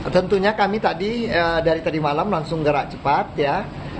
tentunya kami tadi dari tadi malam langsung gerak cepat ya